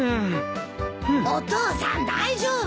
お父さん大丈夫？